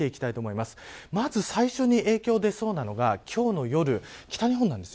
まず、最初に影響が出そうなのが今日の夜、北日本なんです。